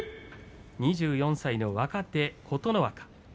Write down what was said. ２４歳の若手、琴ノ若。